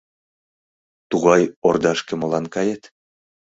Тугай ордашке молан кает?